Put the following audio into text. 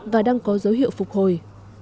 và đang có dấu hiệu phục hồi